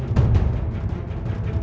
rasanya kau jangan rugi malam degli sana